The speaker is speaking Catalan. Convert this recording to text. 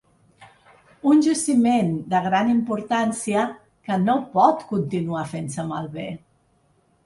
Un jaciment de gran importància que no pot continuar fent-se malbé.